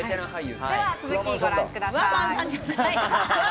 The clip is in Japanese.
では続き、ご覧ください。